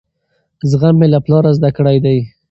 زغم مې له پلاره زده کړی دی.